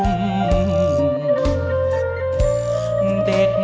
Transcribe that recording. ไม่ใช้